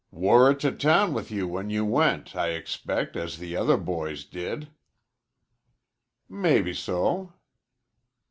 "Wore it to town with you when you went, I expect, as the other boys did." "Mebbeso."